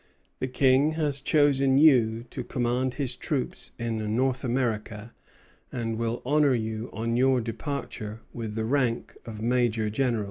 The King has chosen you to command his troops in North America, and will honor you on your departure with the rank of major general."